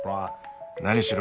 何しろ